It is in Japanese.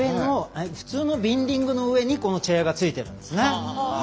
普通のビンディングの上にチェアがついてるんですね。